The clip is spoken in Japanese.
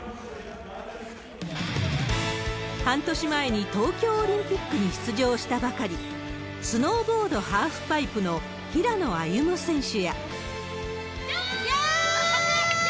半年前に東京オリンピックに出場したばかり、スノーボード・ハーフパイプの平野歩夢選手や。